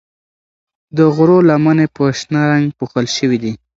د غرو لمنې په شنه رنګ پوښل شوي دي.